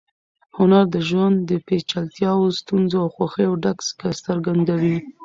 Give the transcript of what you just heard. هنر د ژوند د پیچلتیاوو، ستونزو او خوښیو ښکلا څرګندوي.